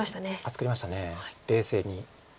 作りました冷静に。